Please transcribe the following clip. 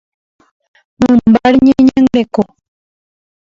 Mymbáre ñeñangareko.